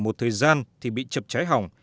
một thời gian thì bị chập trái hỏng